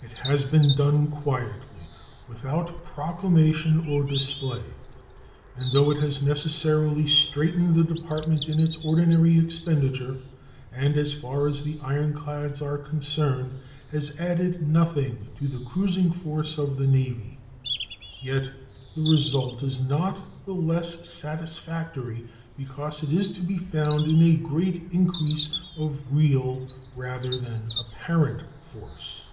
It has been done quietly, without proclamation or display, and though it has necessarily straitened the Department in its ordinary expenditure, and, as far as the ironclads are concerned, has added nothing to the cruising force of the Navy, yet the result is not the less satisfactory because it is to be found in a great increase of real rather than apparent force.